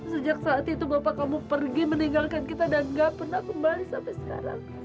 sejak saat itu bapak kamu pergi meninggalkan kita dan gak pernah kembali sampai sekarang